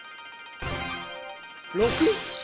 ６？